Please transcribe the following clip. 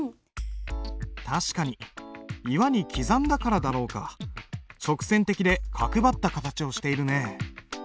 確かに岩に刻んだからだろうか直線的で角張った形をしているねえ。